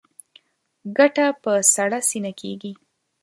ګټه په سړه سینه کېږي.